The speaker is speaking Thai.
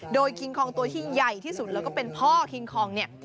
โดยคิงคองตัวที่ใหญ่ที่สุดแล้วก็เป็นพ่อคิงคองเนี่ย